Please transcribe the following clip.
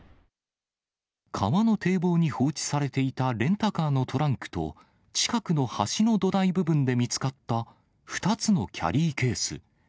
川の堤防に放置されていたレンタカーのトランクと、近くの橋の土台部分で見つかった２つのキャリーケース。